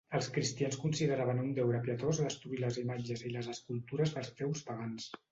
Els cristians consideraven un deure pietós destruir les imatges i les escultures dels déus pagans.